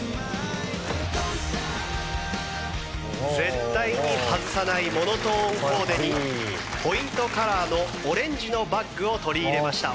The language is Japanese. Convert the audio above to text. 絶対に外さないモノトーンコーデにポイントカラーのオレンジのバッグを取り入れました。